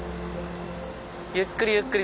ゆっくりゆっくり。